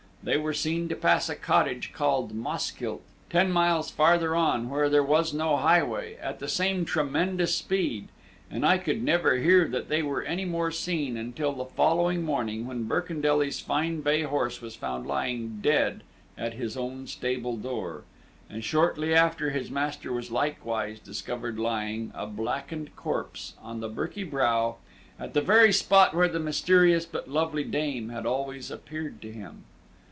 They were seen to pass a cottage called Mosskilt, ten miles farther on, where there was no highway, at the same tremendous speed; and I could never hear that they were any more seen, until the following morning, when Birkendelly's fine bay horse was found lying dead at his own stable door; and shortly after his master was likewise discovered lying, a blackened corpse, on the Birky Brow at the very spot where the mysterious but lovely dame had always appeared to him.